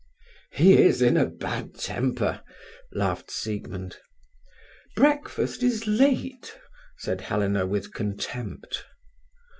"He is in a bad temper," laughed Siegmund. "Breakfast is late," said Helena with contempt.